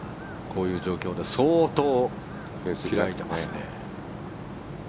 こういう状況で相当、フェースを開いてますね。